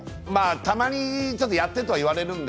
たまにやってと言われるので